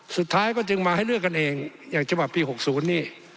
สุดท้ายก็จึงมาให้เลือกกันเองอย่างฉบับปี๖๐นี่